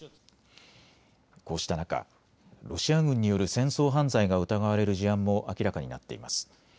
こうした中、ロシア軍による戦争犯罪が疑われる事案も明らかになっています。